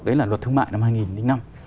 đấy là luật thương mại năm hai nghìn năm